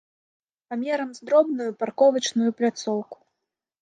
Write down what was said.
Памерам з добрую парковачную пляцоўку.